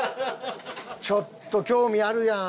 ちょっと興味あるやん！